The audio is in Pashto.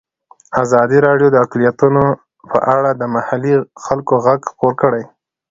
ازادي راډیو د اقلیتونه په اړه د محلي خلکو غږ خپور کړی.